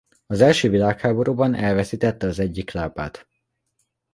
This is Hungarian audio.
Az első világháborúban elveszítette az egyik lábát.